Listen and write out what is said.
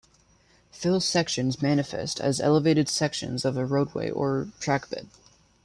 Fill sections manifest as elevated sections of a roadway or trackbed.